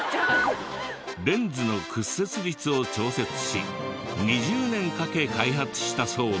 レンズの屈折率を調節し２０年かけ開発したそうで。